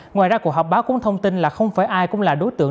ngoài ra cuộc họp báo cũng thông tin là không phải ai cũng là đối tượng